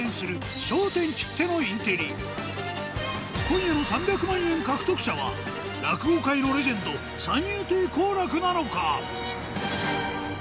今夜の３００万円獲得者は落語界のレジェンド三遊亭好楽なのか？